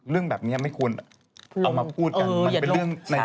เรื่องแบบนี้ไม่ควรเอามาพูดกัน